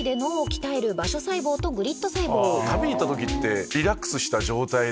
旅に行った時ってリラックスした状態で。